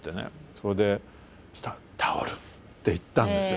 それでそしたら「タオル」って言ったんですよ。